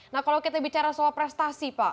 nah kalau kita bicara soal prestasi pak